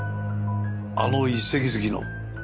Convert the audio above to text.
あの遺跡好きの？